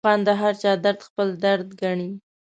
افغان د هرچا درد خپل درد ګڼي.